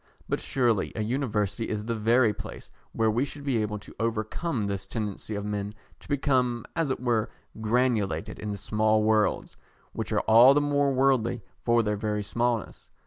But surely a University is the very place where we should be able to overcome this tendency of men to become, as it were, granulated into small worlds, which are all the more worldly for their very smallness.